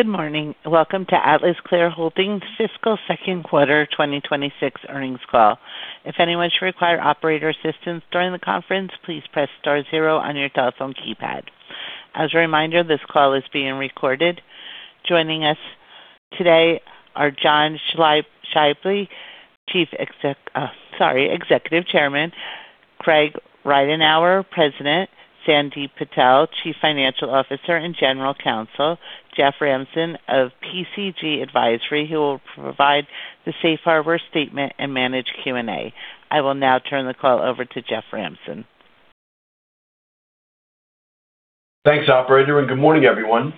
Good morning. Welcome to AtlasClear Holdings Fiscal Second Quarter 2026 earnings call. If anyone should require operator assistance during the conference, please press star 0 on your telephone keypad. As a reminder, this call is being recorded. Joining us today are John Schaible, Executive Chairman. Craig Ridenhour, President. Sandip Patel, Chief Financial Officer and General Counsel. Jeff Ramson of PCG Advisory, who will provide the safe harbor statement and manage Q&A. I will now turn the call over to Jeff Ramson. Thanks, operator, and good morning, everyone.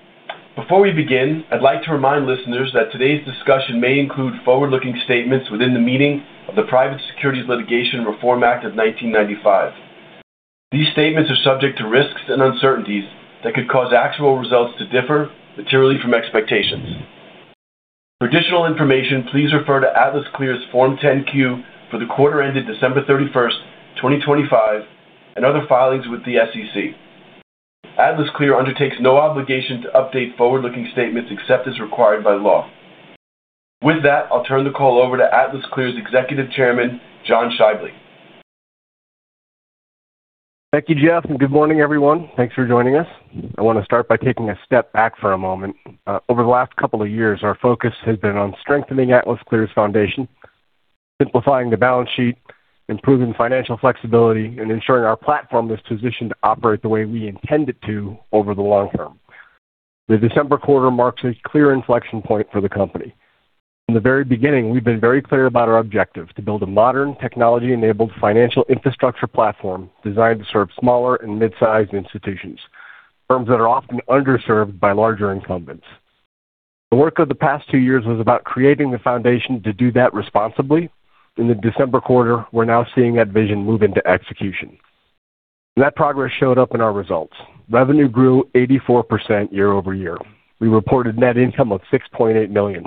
Before we begin, I'd like to remind listeners that today's discussion may include forward-looking statements within the meaning of the Private Securities Litigation Reform Act of 1995. These statements are subject to risks and uncertainties that could cause actual results to differ materially from expectations. For additional information, please refer to AtlasClear's Form 10-Q for the quarter ended December 31st, 2025, and other filings with the SEC. AtlasClear undertakes no obligation to update forward-looking statements except as required by law. With that, I'll turn the call over to AtlasClear's Executive Chairman, John Schaible. Thank you, Jeff, and good morning, everyone. Thanks for joining us. I want to start by taking a step back for a moment. Over the last couple of years, our focus has been on strengthening AtlasClear's foundation, simplifying the balance sheet, improving financial flexibility, and ensuring our platform was positioned to operate the way we intend it to over the long term. The December quarter marks a clear inflection point for the company. From the very beginning, we've been very clear about our objective: to build a modern, technology-enabled financial infrastructure platform designed to serve smaller and mid-sized institutions, firms that are often underserved by larger incumbents. The work of the past two years was about creating the foundation to do that responsibly. In the December quarter, we're now seeing that vision move into execution, and that progress showed up in our results. Revenue grew 84% year-over-year. We reported net income of $6.8 million.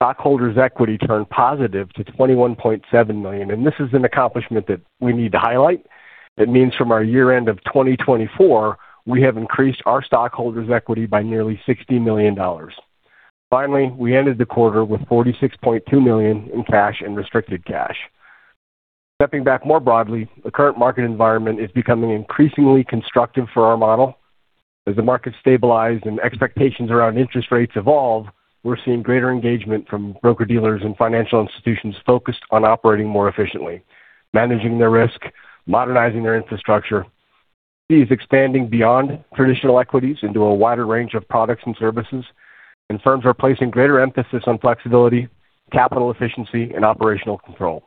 Stockholders' equity turned positive to $21.7 million, and this is an accomplishment that we need to highlight. It means from our year-end of 2024, we have increased our stockholders' equity by nearly $60 million. Finally, we ended the quarter with $46.2 million in cash and restricted cash. Stepping back more broadly, the current market environment is becoming increasingly constructive for our model. As the market stabilized and expectations around interest rates evolve, we're seeing greater engagement from broker-dealers and financial institutions focused on operating more efficiently, managing their risk, modernizing their infrastructure, is expanding beyond traditional equities into a wider range of products and services, and firms are placing greater emphasis on flexibility, capital efficiency, and operational control.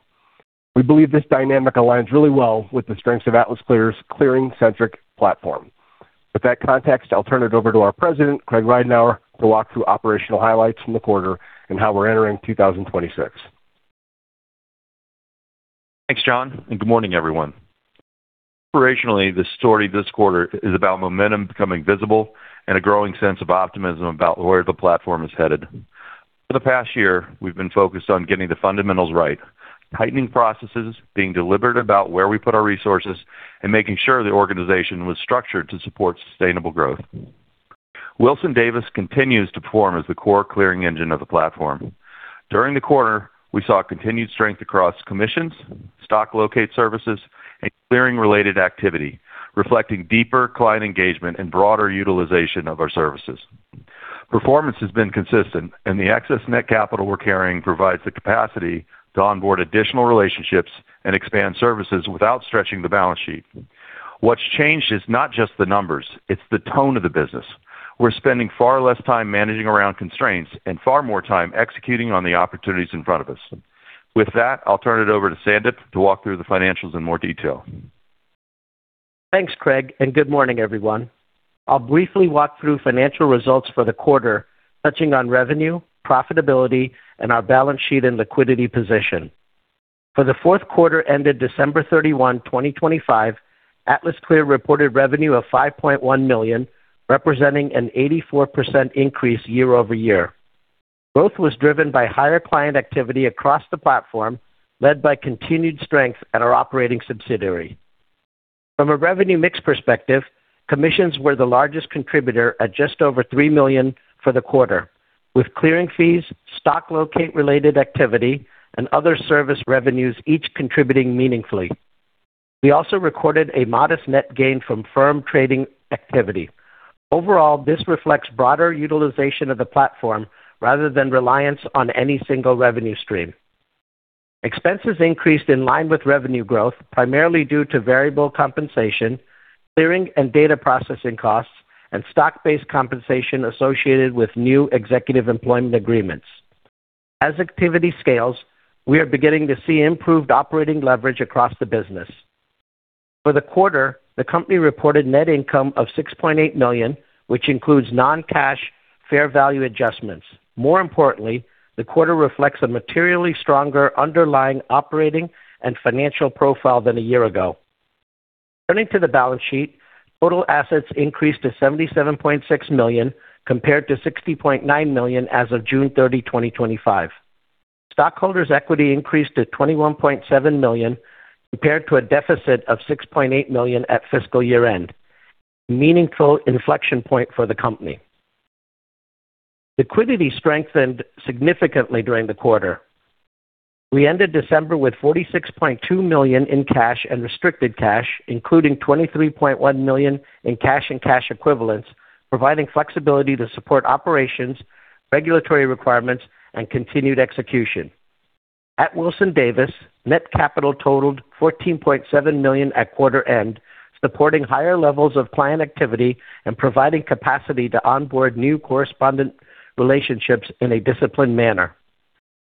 We believe this dynamic aligns really well with the strengths of AtlasClear's clearing-centric platform. With that context, I'll turn it over to our President, Craig Ridenhour, to walk through operational highlights from the quarter and how we're entering 2026. Thanks, John, and good morning, everyone. Operationally, the story this quarter is about momentum becoming visible and a growing sense of optimism about where the platform is headed. For the past year, we've been focused on getting the fundamentals right, tightening processes, being deliberate about where we put our resources, and making sure the organization was structured to support sustainable growth. Wilson-Davis continues to perform as the core clearing engine of the platform. During the quarter, we saw continued strength across commissions, stock locate services, and clearing-related activity, reflecting deeper client engagement and broader utilization of our services. Performance has been consistent, and the excess net capital we're carrying provides the capacity to onboard additional relationships and expand services without stretching the balance sheet. What's changed is not just the numbers, it's the tone of the business. We're spending far less time managing around constraints and far more time executing on the opportunities in front of us. With that, I'll turn it over to Sandip to walk through the financials in more detail. Thanks, Craig, and good morning, everyone. I'll briefly walk through financial results for the quarter, touching on revenue, profitability, and our balance sheet and liquidity position. For the fourth quarter ended December 31, 2025, AtlasClear reported revenue of $5.1 million, representing an 84% increase year-over-year. Growth was driven by higher client activity across the platform, led by continued strength at our operating subsidiary. From a revenue mix perspective, commissions were the largest contributor at just over $3 million for the quarter, with clearing fees, stock locate-related activity, and other service revenues each contributing meaningfully. We also recorded a modest net gain from firm trading activity. Overall, this reflects broader utilization of the platform rather than reliance on any single revenue stream. Expenses increased in line with revenue growth, primarily due to variable compensation, clearing and data processing costs, and stock-based compensation associated with new executive employment agreements. As activity scales, we are beginning to see improved operating leverage across the business. For the quarter, the company reported net income of $6.8 million, which includes non-cash fair value adjustments. More importantly, the quarter reflects a materially stronger underlying operating and financial profile than a year ago. Turning to the balance sheet, total assets increased to $77.6 million, compared to $60.9 million as of June 30, 2025.... Stockholders' equity increased to $21.7 million, compared to a deficit of $6.8 million at fiscal year-end. Meaningful inflection point for the company. Liquidity strengthened significantly during the quarter. We ended December with $46.2 million in cash and restricted cash, including $23.1 million in cash and cash equivalents, providing flexibility to support operations, regulatory requirements, and continued execution. At Wilson-Davis, net capital totaled $14.7 million at quarter end, supporting higher levels of client activity and providing capacity to onboard new correspondent relationships in a disciplined manner.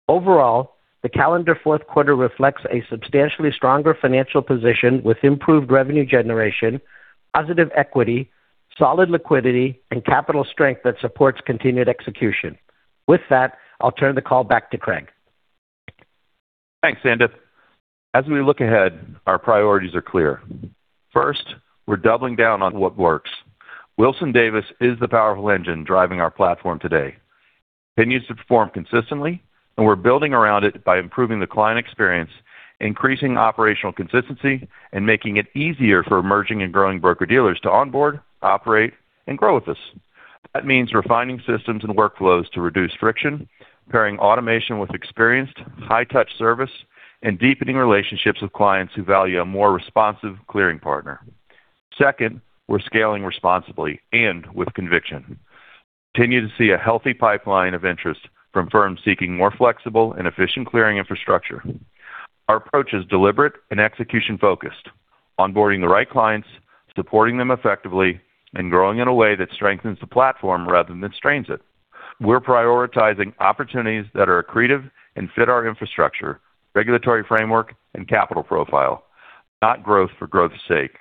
Overall, the calendar fourth quarter reflects a substantially stronger financial position, with improved revenue generation, positive equity, solid liquidity, and capital strength that supports continued execution. With that, I'll turn the call back to Craig. Thanks, Sandip. As we look ahead, our priorities are clear. First, we're doubling down on what works. Wilson-Davis is the powerful engine driving our platform today. Continues to perform consistently, and we're building around it by improving the client experience, increasing operational consistency, and making it easier for emerging and growing broker-dealers to onboard, operate, and grow with us. That means refining systems and workflows to reduce friction, pairing automation with experienced high-touch service, and deepening relationships with clients who value a more responsive clearing partner. Second, we're scaling responsibly and with conviction. Continue to see a healthy pipeline of interest from firms seeking more flexible and efficient clearing infrastructure. Our approach is deliberate and execution-focused, onboarding the right clients, supporting them effectively, and growing in a way that strengthens the platform rather than strains it. We're prioritizing opportunities that are accretive and fit our infrastructure, regulatory framework, and capital profile, not growth for growth's sake.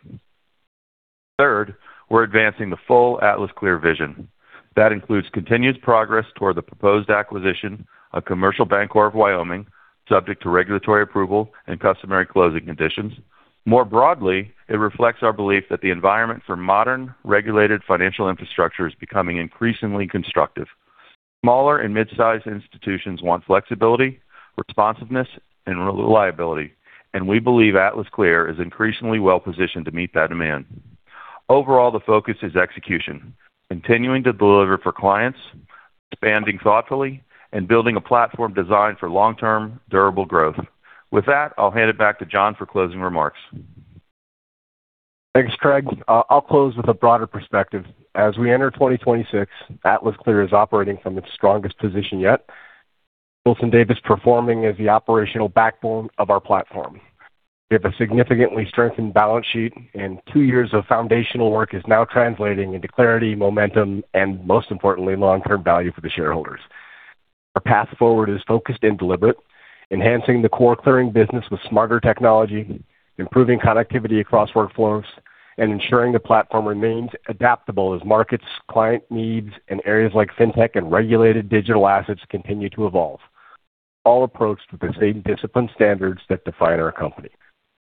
Third, we're advancing the full AtlasClear vision. That includes continued progress toward the proposed acquisition of Commercial Bancorp of Wyoming, subject to regulatory approval and customary closing conditions. More broadly, it reflects our belief that the environment for modern, regulated financial infrastructure is becoming increasingly constructive. Smaller and mid-sized institutions want flexibility, responsiveness, and reliability, and we believe AtlasClear is increasingly well-positioned to meet that demand. Overall, the focus is execution, continuing to deliver for clients, expanding thoughtfully, and building a platform designed for long-term, durable growth. With that, I'll hand it back to John for closing remarks. Thanks, Craig. I'll close with a broader perspective. As we enter 2026, AtlasClear is operating from its strongest position yet. Wilson-Davis performing as the operational backbone of our platform. We have a significantly strengthened balance sheet, and two years of foundational work is now translating into clarity, momentum, and, most importantly, long-term value for the shareholders. Our path forward is focused and deliberate, enhancing the core clearing business with smarter technology, improving connectivity across workflows, and ensuring the platform remains adaptable as markets, client needs, and areas like fintech and regulated digital assets continue to evolve. All approached with the same disciplined standards that define our company.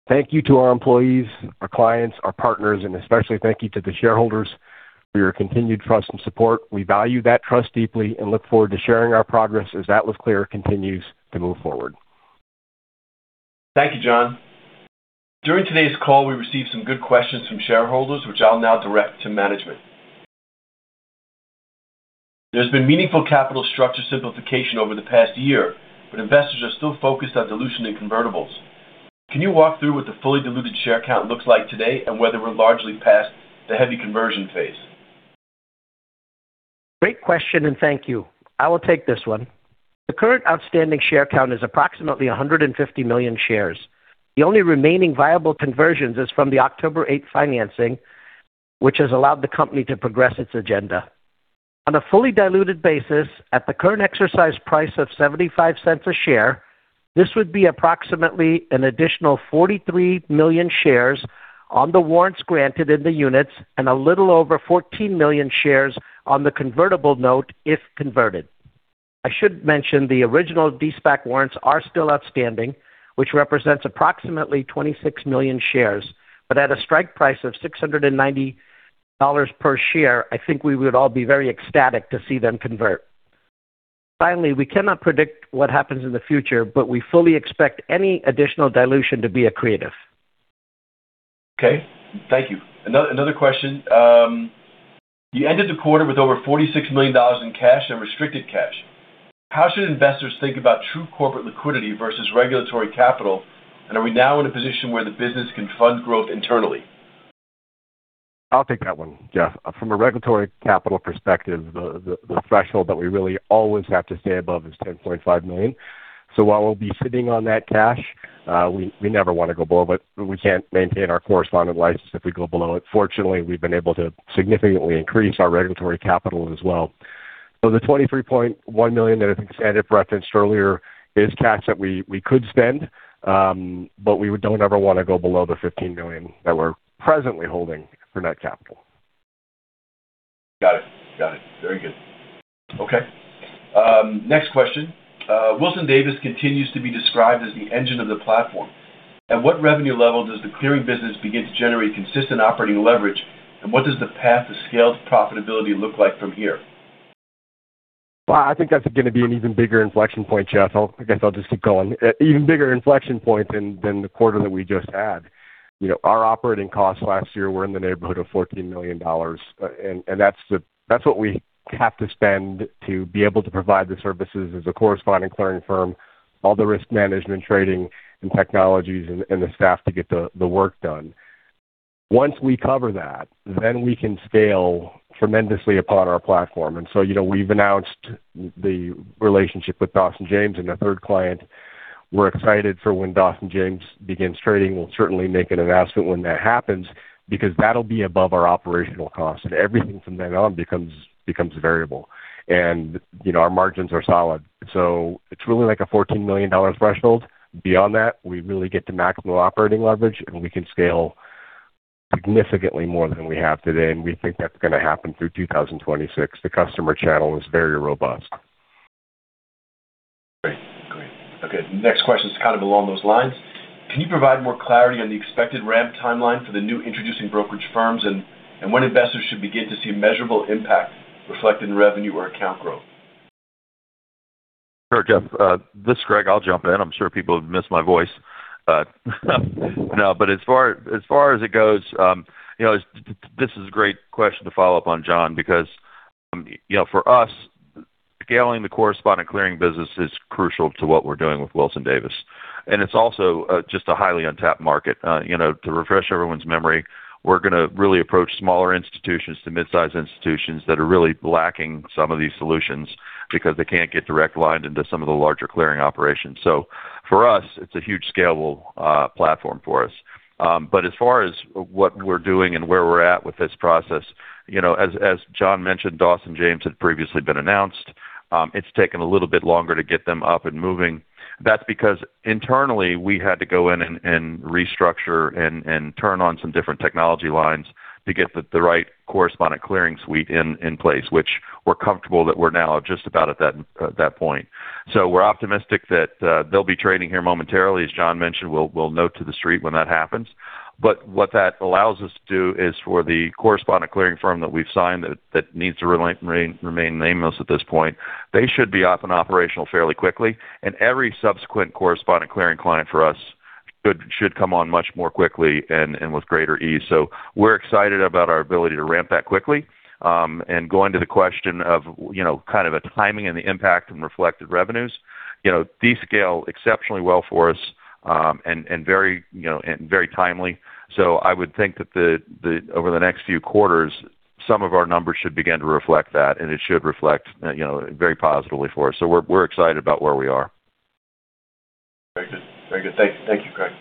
Thank you to our employees, our clients, our partners, and especially thank you to the shareholders for your continued trust and support. We value that trust deeply and look forward to sharing our progress as AtlasClear continues to move forward. Thank you, John. During today's call, we received some good questions from shareholders, which I'll now direct to management. There's been meaningful capital structure simplification over the past year, but investors are still focused on dilution and convertibles. Can you walk through what the fully diluted share count looks like today, and whether we're largely past the heavy conversion phase? Great question, and thank you. I will take this one. The current outstanding share count is approximately 150 million shares. The only remaining viable conversions is from the October 8th financing, which has allowed the company to progress its agenda. On a fully diluted basis, at the current exercise price of $0.75 a share, this would be approximately an additional 43 million shares on the warrants granted in the units and a little over 14 million shares on the convertible note if converted. I should mention the original de-SPAC warrants are still outstanding, which represents approximately 26 million shares, but at a strike price of $690 per share, I think we would all be very ecstatic to see them convert. Finally, we cannot predict what happens in the future, but we fully expect any additional dilution to be accretive. Okay, thank you. Another, another question. You ended the quarter with over $46 million in cash and restricted cash. How should investors think about true corporate liquidity versus regulatory capital? And are we now in a position where the business can fund growth internally? I'll take that one, Jeff. From a regulatory capital perspective, the threshold that we really always have to stay above is $10.5 million. So while we'll be sitting on that cash, we never want to go below it, but we can't maintain our correspondent license if we go below it. Fortunately, we've been able to significantly increase our regulatory capital as well. So the $23.1 million that I think Sandip referenced earlier is cash that we could spend, but we don't ever want to go below the $15 million that we're presently holding for net capital. Got it. Got it. Very good. Okay, next question. Wilson-Davis continues to be described as the engine of the platform... At what revenue level does the clearing business begin to generate consistent operating leverage? And what does the path to scaled profitability look like from here? Well, I think that's going to be an even bigger inflection point, Jeff. I'll, I guess I'll just keep going. Even bigger inflection point than the quarter that we just had. You know, our operating costs last year were in the neighborhood of $14 million. And that's what we have to spend to be able to provide the services as a correspondent clearing firm, all the risk management, trading and technologies and the staff to get the work done. Once we cover that, then we can scale tremendously upon our platform. And so, you know, we've announced the relationship with Dawson James and a third client. We're excited for when Dawson James begins trading. We'll certainly make an announcement when that happens, because that'll be above our operational costs, and everything from then on becomes variable. You know, our margins are solid. It's really like a $14 million threshold. Beyond that, we really get to maximum operating leverage, and we can scale significantly more than we have today, and we think that's going to happen through 2026. The customer channel is very robust. Great. Great. Okay, next question is kind of along those lines: Can you provide more clarity on the expected ramp timeline for the new introducing brokerage firms, and, and when investors should begin to see measurable impact reflected in revenue or account growth? Sure, Jeff, this is Craig. I'll jump in. I'm sure people have missed my voice. No, but as far, as far as it goes, you know, this is a great question to follow up on, John, because, you know, for us, scaling the correspondent clearing business is crucial to what we're doing with Wilson-Davis, and it's also, just a highly untapped market. You know, to refresh everyone's memory, we're going to really approach smaller institutions to mid-sized institutions that are really lacking some of these solutions because they can't get direct lined into some of the larger clearing operations. So for us, it's a huge scalable, platform for us. But as far as what we're doing and where we're at with this process, you know, as John mentioned, Dawson James had previously been announced. It's taken a little bit longer to get them up and moving. That's because internally, we had to go in and restructure and turn on some different technology lines to get the right correspondent clearing suite in place, which we're comfortable that we're now just about at that point. So we're optimistic that they'll be trading here momentarily. As John mentioned, we'll note to the street when that happens. But what that allows us to do is for the correspondent clearing firm that we've signed, that needs to remain nameless at this point. They should be up and operational fairly quickly, and every subsequent correspondent clearing client for us should come on much more quickly and with greater ease. So we're excited about our ability to ramp that quickly. And going to the question of, you know, kind of the timing and the impact and reflected revenues, you know, these scale exceptionally well for us, and very, you know, and very timely. So I would think that over the next few quarters, some of our numbers should begin to reflect that, and it should reflect, you know, very positively for us. So we're excited about where we are. Very good. Very good. Thank, thank you, Craig.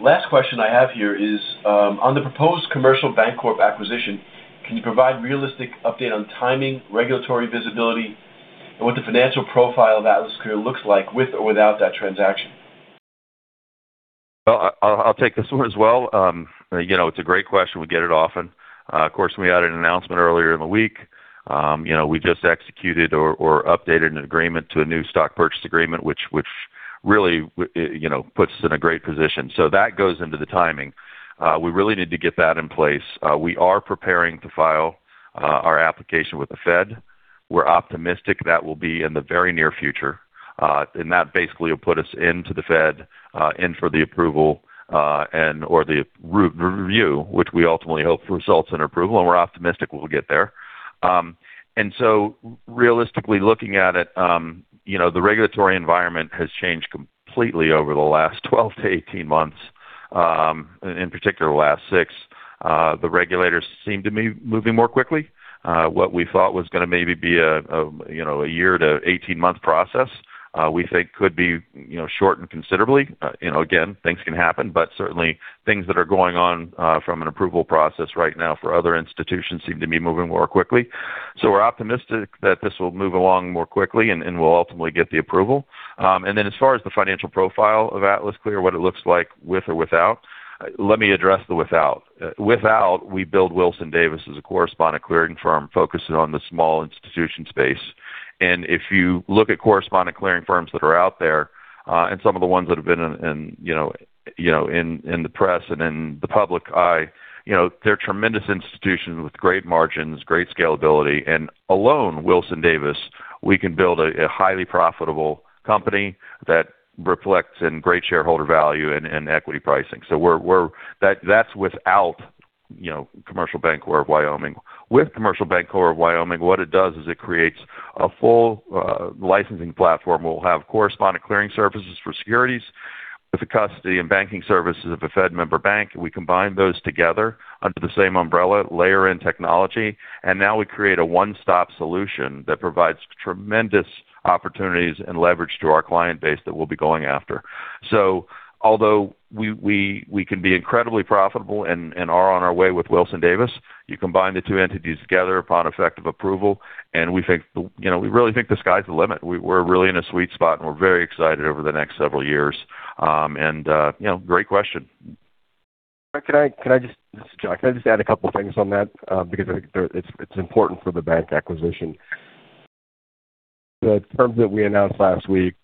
Last question I have here is, on the proposed Commercial Bancorp acquisition, can you provide realistic update on timing, regulatory visibility, and what the financial profile of AtlasClear looks like with or without that transaction? Well, I'll take this one as well. You know, it's a great question. We get it often. Of course, we had an announcement earlier in the week. You know, we just executed or updated an agreement to a new stock purchase agreement, which really you know puts us in a great position. So that goes into the timing. We really need to get that in place. We are preparing to file our application with the Fed. We're optimistic that will be in the very near future. And that basically will put us into the Fed in for the approval and or the re-review, which we ultimately hope results in approval, and we're optimistic we'll get there. And so realistically, looking at it, you know, the regulatory environment has changed completely over the last 12-18 months, in particular, the last six. The regulators seem to be moving more quickly. What we thought was going to maybe be a year to 18-month process, we think could be, you know, shortened considerably. You know, again, things can happen, but certainly things that are going on, from an approval process right now for other institutions seem to be moving more quickly. So we're optimistic that this will move along more quickly, and we'll ultimately get the approval. And then as far as the financial profile of AtlasClear, what it looks like with or without, let me address the without. Without, we build Wilson-Davis as a correspondent clearing firm, focusing on the small institution space. And if you look at correspondent clearing firms that are out there, and some of the ones that have been in the press and in the public eye, you know, they're tremendous institutions with great margins, great scalability, and alone, Wilson-Davis, we can build a highly profitable company that reflects in great shareholder value and equity pricing. So we're... That's without, you know, Commercial Bancorp of Wyoming. With Commercial Bancorp of Wyoming, what it does is it creates a full licensing platform. We'll have correspondent clearing services for securities with the custody and banking services of a Fed member bank. We combine those together under the same umbrella, layer in technology, and now we create a one-stop solution that provides tremendous opportunities and leverage to our client base that we'll be going after. So although we can be incredibly profitable and are on our way with Wilson-Davis, you combine the two entities together upon effective approval, and we think, you know, we really think the sky's the limit. We're really in a sweet spot, and we're very excited over the next several years. And, you know, great question. Can I, can I just... This is John. Can I just add a couple of things on that? Because it's important for the bank acquisition. The terms that we announced last week,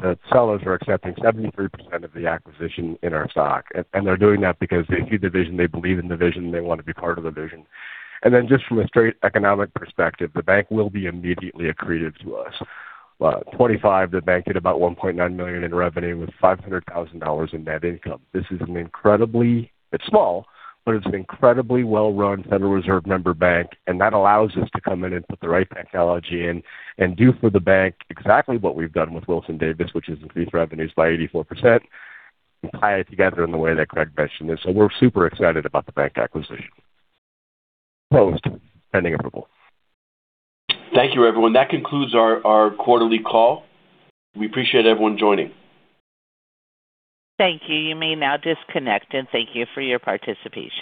the sellers are accepting 73% of the acquisition in our stock, and they're doing that because they see the vision, they believe in the vision, they want to be part of the vision. Then just from a straight economic perspective, the bank will be immediately accretive to us. 25, the bank had about $1.9 million in revenue, with $500,000 in net income. This is an incredibly... It's small, but it's an incredibly well-run Federal Reserve member bank, and that allows us to come in and put the right technology in and do for the bank exactly what we've done with Wilson-Davis, which is increase revenues by 84% and tie it together in the way that Craig mentioned it. So we're super excited about the bank acquisition. Post pending approval. Thank you, everyone. That concludes our quarterly call. We appreciate everyone joining. Thank you. You may now disconnect, and thank you for your participation.